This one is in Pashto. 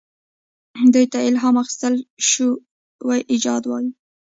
دې ته الهام اخیستل شوی ایجاد وایي.